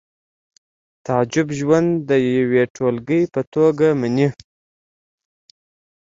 تعجب ژوند د یوې ټولګې په توګه مني